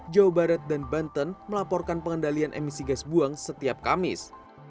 jawa barat dan banten melaporkan pengendalian emisi gas buang setiap kamis